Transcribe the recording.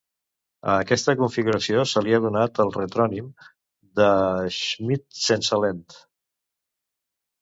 A aquesta configuració se li ha donat el retrònim d'"Schmidt sense lent".